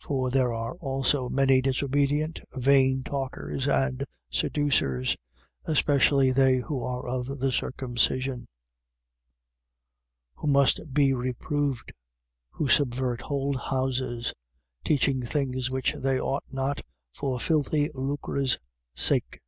1:10. For there are also many disobedient, vain talkers and seducers: especially they who are of the circumcision. 1:11. Who must be reproved, who subvert whole houses, teaching things which they ought not, for filthy lucre's sake.